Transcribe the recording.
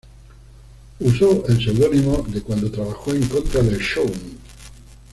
Usó el seudónimo de cuando trabajó en contra del shōgun.